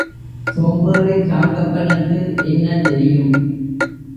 சோம்பேறிச் சாந்தப்பனுக்கு என்ன தெரியும்?